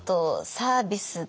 サービスで？